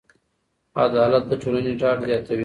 عدالت د ټولنې ډاډ زیاتوي.